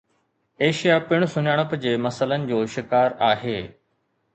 Asia پڻ سڃاڻپ جي مسئلن جو شڪار آهي